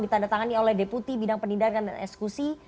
ditandatangani oleh deputi bindang penindakan dan ekskusi